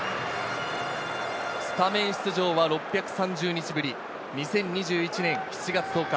スタメン出場は６３０日ぶり、２０２１年７月１０日。